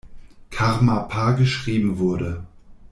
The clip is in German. Karmapa geschrieben wurde.